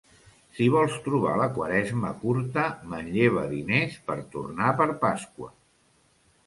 Si vols trobar la Quaresma curta, manlleva diners per tornar per Pasqua.